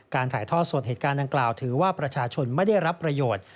ถ่ายทอดสดเหตุการณ์ดังกล่าวถือว่าประชาชนไม่ได้รับประโยชน์